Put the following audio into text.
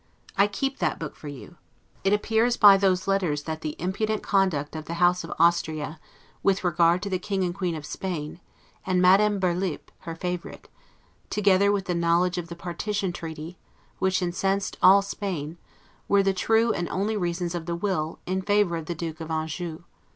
I keep that book for you. It appears by those letters, that the impudent conduct of the House of Austria, with regard to the King and Queen of Spain, and Madame Berlips, her favorite, together with the knowledge of the partition treaty, which incensed all Spain, were the true and only reasons of the will, in favor of the Duke of Anjou.